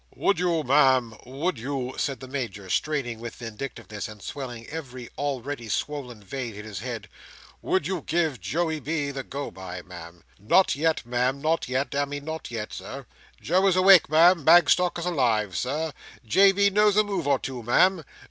"Would you, Ma'am, would you!" said the Major, straining with vindictiveness, and swelling every already swollen vein in his head. "Would you give Joey B. the go by, Ma'am? Not yet, Ma'am, not yet! Damme, not yet, Sir. Joe is awake, Ma'am. Bagstock is alive, Sir. J. B. knows a move or two, Ma'am.